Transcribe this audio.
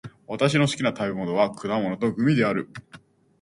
私の好きな食べ物は果物とグミである。